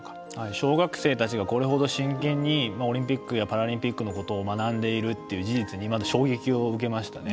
小学生たちがこれほど真剣にオリンピックやパラリンピックのことを学んでいるっていう事実にまず衝撃を受けましたね。